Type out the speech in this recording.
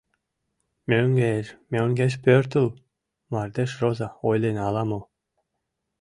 “Мӧҥгеш, мӧҥгеш пӧртыл!” — “Мардеж роза” ойлен ала-мо.